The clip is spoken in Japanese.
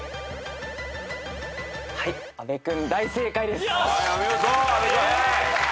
阿部君大正解です。